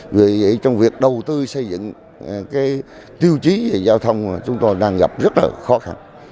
vì vậy trong việc đầu tư xây dựng cái tiêu chí về giao thông chúng tôi đang gặp rất là khó khăn